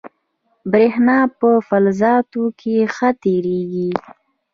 برېښنا په فلزاتو کې ښه تېرېږي.